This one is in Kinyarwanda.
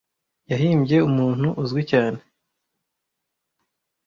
yahimbye umuntu uzwi cyane